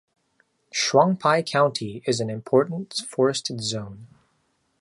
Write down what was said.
Shuangpai county is an important forested zone.